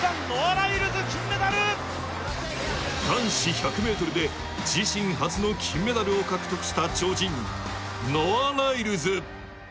男子１００ｍで自身初の金メダルを獲得した超人、ノア・ライルズ。